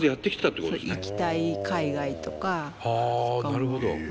あなるほど。